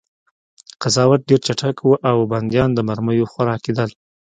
قضاوت ډېر چټک و او بندیان د مرمیو خوراک کېدل